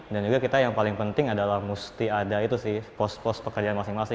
dan juga kita yang paling penting adalah mesti ada itu sih pos pos pekerjaan masing masing